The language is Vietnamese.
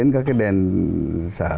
các cái đèn sở